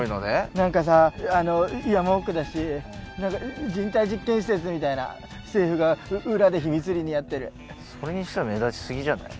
なんかさ山奥だし何か人体実験施設みたいな政府が裏で秘密裏にやってるそれにしては目立ちすぎじゃない？